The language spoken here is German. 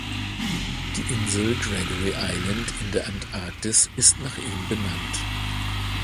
Die Insel Gregory Island in der Antarktis ist nach ihm benannt.